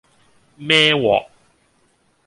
孭鑊